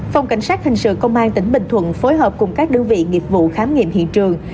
phòng cảnh sát hình sự công an tỉnh bình thuận phối hợp cùng các đơn vị nghiệp vụ khám nghiệm hiện trường